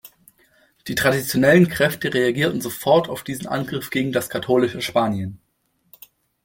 Die traditionellen Kräfte reagierten sofort auf diesen Angriff gegen das katholische Spanien.